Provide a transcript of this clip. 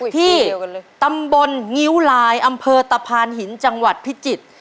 ที่ตำบลงิ้วลายอำเภอตะพานหินจังหวัดพิจิตร